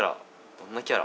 どんなキャラ？